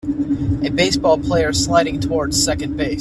A baseball player sliding toward second base.